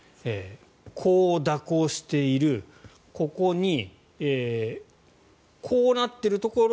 こう蛇行しているここにこうなっているところ